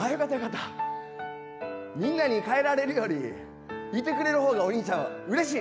みんなに帰られるよりいてくれる方がおにいちゃんはうれしい！